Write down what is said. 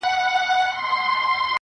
پاچا ورغى د خپل بخت هديرې ته،